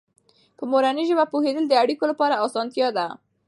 په مورنۍ ژبه پوهېدل د اړیکو لپاره اسانتیا ده.